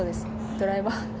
ドライバー。